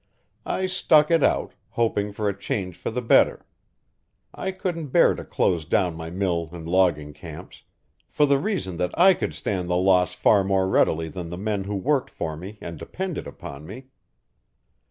I stuck it out, hoping for a change for the better; I couldn't bear to close down my mill and logging camps, for the reason that I could stand the loss far more readily than the men who worked for me and depended upon me.